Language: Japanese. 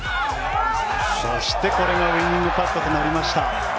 そしてこれがウィニングパットとなりました。